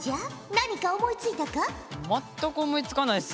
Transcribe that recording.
何か思いついたか？